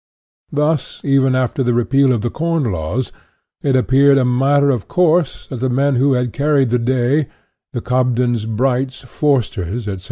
Thus, even after the Repeal of the Corn Laws, it ap peared a matter of course, that the men who had carried the day, the Cobdens, Brights, Forsters, etc.